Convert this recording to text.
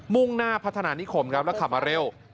่งหน้าพัฒนานิคมครับแล้วขับมาเร็ว